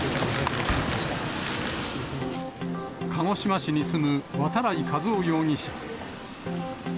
鹿児島市に住む渡来和雄容疑者。